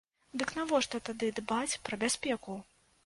Дык навошта тады дбаць пра бяспеку?